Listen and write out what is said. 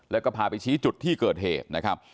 แล้วก็พาไปชี้จุดที่เกิดเหตุนะครับ